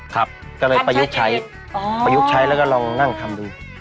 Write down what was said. ครับก็เลยประยุกต์ใช้ประยุกต์ใช้แล้วก็ลองนั่งทำดู